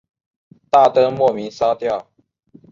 大灯莫名烧掉